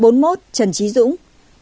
bốn mươi một nguyễn văn dung